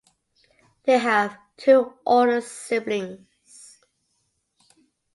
They have two older siblings.